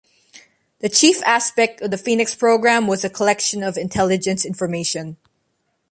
The chief aspect of the Phoenix Program was the collection of intelligence information.